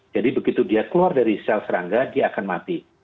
jadi begitu dia keluar dari sel serangga dia akan mati